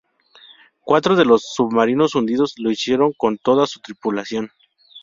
Cuatro de los submarinos hundidos lo hicieron con toda su tripulación.